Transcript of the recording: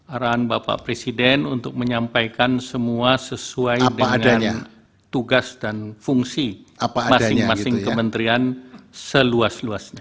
arahan bapak presiden untuk menyampaikan semua sesuai dengan tugas dan fungsi masing masing kementerian seluas luasnya